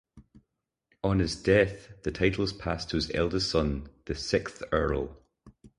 On his death the titles passed to his eldest son, the sixth Earl.